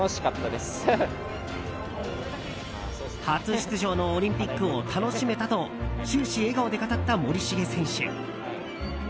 初出場のオリンピックを楽しめたと終始、笑顔で語った森重選手。